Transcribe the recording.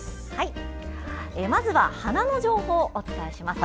まずは花の情報をお伝えします。